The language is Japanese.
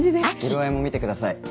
色合いも見てください